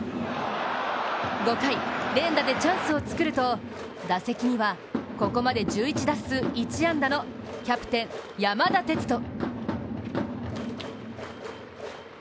５回、連打でチャンスを作ると打席には、ここまで１１打数１安打のキャプテン・山田哲人。